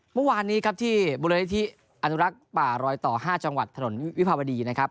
เมื่อวานนี้ครับที่มูลนิธิอนุรักษ์ป่ารอยต่อ๕จังหวัดถนนวิภาวดีนะครับ